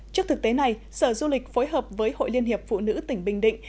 trước thực tế này sở du lịch phối hợp với hội liên hiệp phụ nữ tỉnh bình định